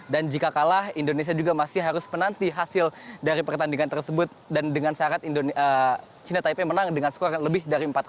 dan jika kalah indonesia juga masih harus menanti hasil dari pertandingan tersebut dan dengan syarat china taipei menang dengan skor yang lebih dari empat dari qatar